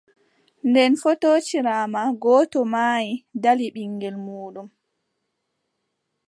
Nden fotootiraama, gooto maayi, ɗali ɓiŋngel muuɗum.